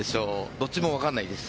どっちもわからないです。